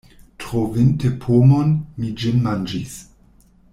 Trovinte pomon, mi ĝin manĝis.